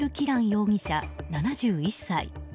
容疑者、７１歳。